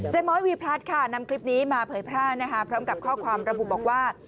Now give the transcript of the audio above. ้อยวีพลัดค่ะนำคลิปนี้มาเผยแพร่นะคะพร้อมกับข้อความระบุบอกว่า